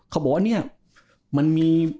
เขาบอกว่าเนี่ยมันมี